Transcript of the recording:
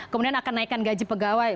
kemudian akan naikkan gaji pegawai